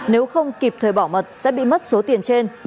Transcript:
nếu không kịp thời bảo mật sẽ bị mất số tiền trên